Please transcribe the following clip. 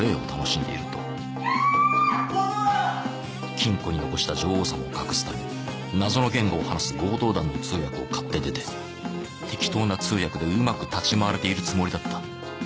・金庫に残した女王様を隠すため謎の言語を話す強盗団の通訳を買って出て適当な通訳でうまく立ち回れているつもりだった